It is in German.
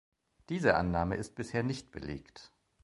Diese Annahme ist bisher nicht belegt.